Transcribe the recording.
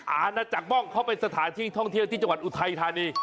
อาณาจักรบ้องเขาเป็นสถานที่ท่องเที่ยวที่จังหวัดอุทัยธานี